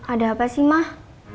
ada apa sih mah